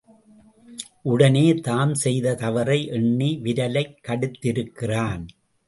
உடனே தாம் செய்த தவறை எண்ணி விரலைக் கடித்திருக்கிறான்.